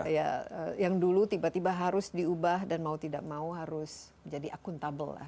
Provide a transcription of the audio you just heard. ya yang dulu tiba tiba harus diubah dan mau tidak mau harus jadi akuntabel lah